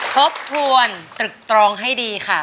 ทบทวนตรึกตรองให้ดีค่ะ